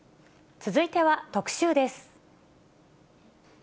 続いては特集です。